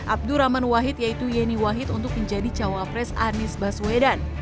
abdurrahman wahid yaitu yeni wahid untuk menjadi cawa pres anis baswedan